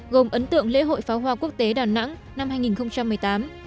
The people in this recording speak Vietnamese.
gồm ấn tượng lễ hội pháo hoa quốc tế đà nẵng năm hai nghìn một mươi tám